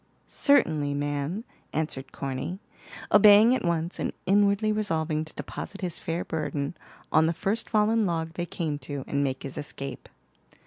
"Certainly ma'am," answered Corny, obeying at once, and inwardly resolving to deposit his fair burden on the first fallen log they came to, and make his escape.